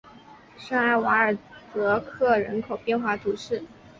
圣埃瓦尔泽克人口变化图示